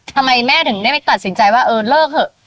ทำไมแม่ถึงได้ไปตัดสินใจว่าเออเลิกเถอะ